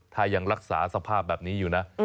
ถ้ายังรักษาสภาพแบบนี้อยู่นะ